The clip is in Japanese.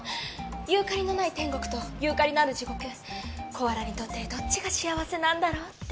ユーカリのない天国とユーカリのある地獄コアラにとってどっちが幸せなんだろうって。